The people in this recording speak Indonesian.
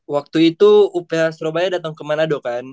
waktu itu uph surabaya datang ke manado kan